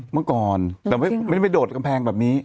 เมื่อก่อนแต่ไม่ได้ไปโดดกำแพงแบบนี้